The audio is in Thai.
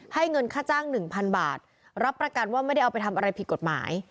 เงินค่าจ้างหนึ่งพันบาทรับประกันว่าไม่ได้เอาไปทำอะไรผิดกฎหมาย